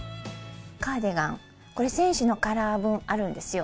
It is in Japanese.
カーディガン、これ、戦士のカラー分あるんですよ。